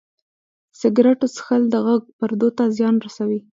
سګرټو څښل د غږ پردو ته زیان رسوي.